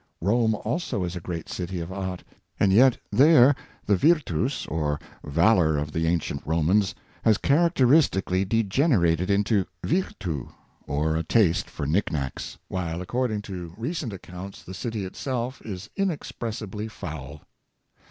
Rome also is a great city of art, and yet there the virtus or valor of the ancient Romans has characteristically degenerated into virtti, or a taste for knickknacks; while, according to recent accounts, the city itself is inexpressibly foul.